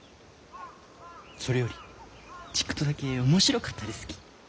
それよりちっくとだけ面白かったですき。